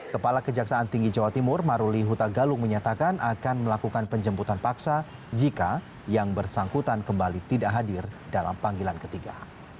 kepala kejaksaan tinggi jawa timur maruli huta galung menyatakan akan melakukan penjemputan paksa jika yang bersangkutan kembali tidak hadir dalam panggilan ketiga